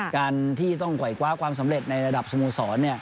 การที่ต้องไหวคว้าความสำเร็จในระดับสโมสร